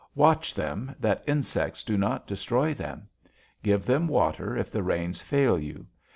Watch them, that insects do not destroy them. Give them water if the rains fail you.